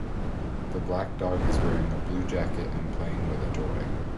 The black dog is wearing a blue jacket and playing with a toy.